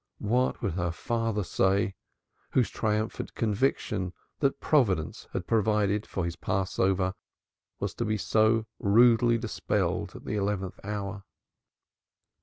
What would her father say, whose triumphant conviction that Providence had provided for his Passover was to be so rudely dispelled at the eleventh hour.